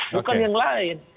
bukan yang lain